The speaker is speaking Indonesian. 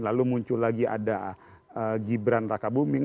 lalu muncul lagi ada gibran raka buming